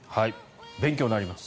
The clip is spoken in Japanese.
勉強になります。